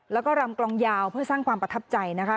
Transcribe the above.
แล้วก็รำกลองยาวเพื่อสร้างความประทับใจนะคะ